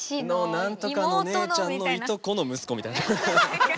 何とかの姉ちゃんのいとこの息子みたいな。